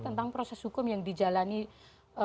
tentang proses hukum yang dijalankan ini gitu ya